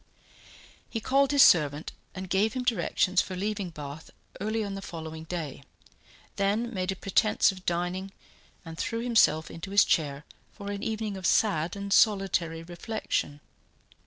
He called his servant, and gave him directions for leaving Bath early on the following day, then made a pretence of dining, and threw himself into his chair for an evening of sad and solitary reflection.